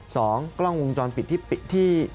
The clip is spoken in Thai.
สองกล้องวงจรปิดที่